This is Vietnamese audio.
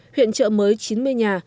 huyện trợ mới chín mươi nhà